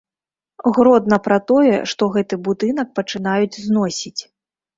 Гродна пра тое, што гэты будынак пачынаюць зносіць.